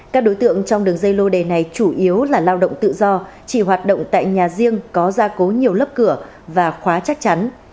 các đối tượng trong đường dây lô đề này chủ yếu là lao động tự do chỉ hoạt động tại nhà riêng có gia cố nhiều lớp cửa và khóa chắc chắn